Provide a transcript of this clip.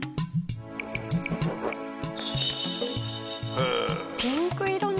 へえ！